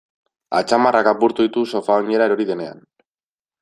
Atzamarrak apurtu ditu sofa oinera erori denean.